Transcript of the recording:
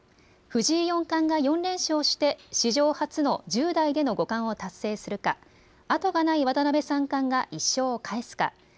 藤井四冠が４連勝して史上初の１０代での五冠を達成するか後がない渡辺三冠が１勝を返すか